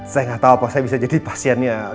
saya gak tau pak saya bisa jadi pasiennya